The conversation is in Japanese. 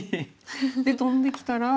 でトンできたら。